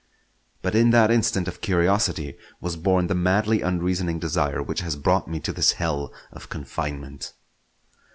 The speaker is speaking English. But in that instant of curiosity was born the madly unreasoning desire which has brought me to this hell of confinement.